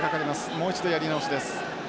もう一度やり直しです。